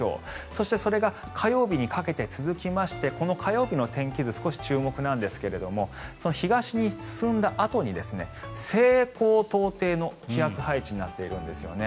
そしてそれが火曜日にかけて続きましてこの火曜日の天気図少し注目なんですが東に進んだあとに西高東低の気圧配置になっているんですね。